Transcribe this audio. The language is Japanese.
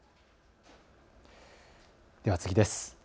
では次です。